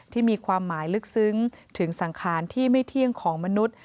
ที่มีความหมายลึกซึ้งถึงสังขารที่ไม่เที่ยงของมนุษย์